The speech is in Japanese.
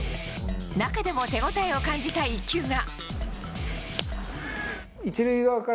中でも手応えを感じた１球が。